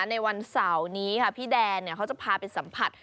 ในวันเสาร์นี้ค่ะพี่แดนเขาจะพาไปสัมผัส